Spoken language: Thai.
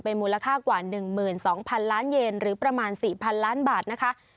มูลค่ากว่า๑๒๐๐๐ล้านเยนหรือประมาณ๔๐๐๐ล้านบาทนะคะ